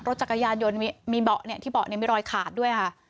รถจักรยานยนต์มีเบาะเนี่ยที่เบาะเนี่ยมีรอยขาดด้วยค่ะ